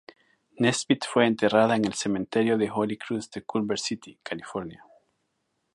Nesbit fue enterrada en el Cementerio de Holy Cross de Culver City, California.